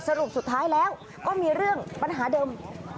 สรุปสุดท้ายแล้วก็มีเรื่องปัญหาเดิม